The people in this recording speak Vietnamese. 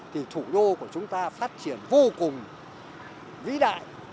thì thủ đô của chúng ta phát triển vô cùng vĩ đại